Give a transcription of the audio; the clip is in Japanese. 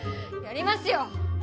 やりますよ！